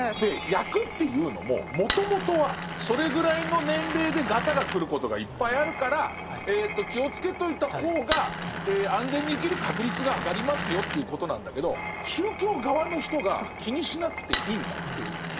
厄っていうのももともとはそれぐらいの年齢でガタがくることがいっぱいあるから気をつけといた方が安全に生きる確率が上がりますよっていうことなんだけど宗教側の人が気にしなくていいんだって言う。